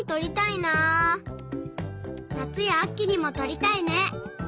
なつやあきにもとりたいね！